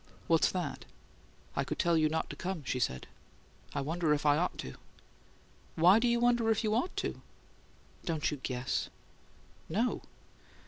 "What's that?" "I could tell you not to come," she said. "I wonder if I ought to." "Why do you wonder if you 'ought to?'" "Don't you guess?" "No."